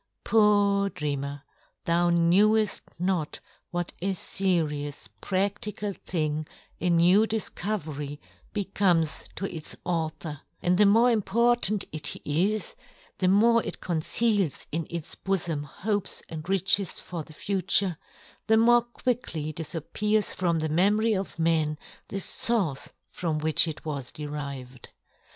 Poor dreamer ! thou kneweft not what a ferious pradlical thing a new difcovery becomes to its author, and the more important it is, the more it conceals in its bofom hopes and riches for the future, the more quickly dif appears, from the memory of men, the fource from which it was de rived.